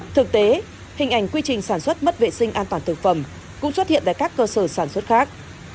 thực tế hình ảnh quy trình sản xuất mất vệ sinh an toàn thực phẩm cũng xuất hiện tại các cơ sở sản xuất khác